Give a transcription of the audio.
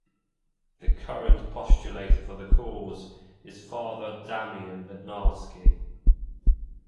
The current postulator for the cause is Father Damian Bednarski.